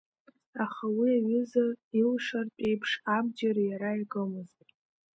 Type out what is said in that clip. Аха уи аҩыза илшартә еиԥш, абџьар иара икымызт.